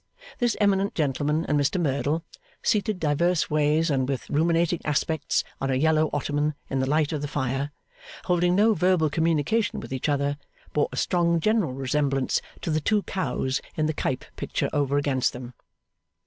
This eminent gentleman and Mr Merdle, seated diverse ways and with ruminating aspects on a yellow ottoman in the light of the fire, holding no verbal communication with each other, bore a strong general resemblance to the two cows in the Cuyp picture over against them.